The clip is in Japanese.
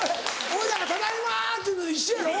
おいらが「ただいま」って言うのと一緒やろ？